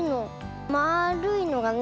まあるいのがね